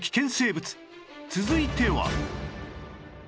続いては